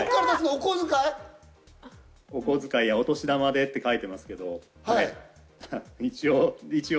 お小お小遣いやお年玉って書いてますけど。